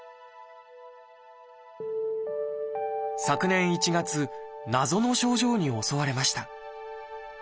昨年１月謎の症状に襲われました。